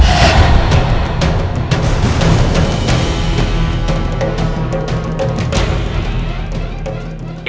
tidak ada apa apa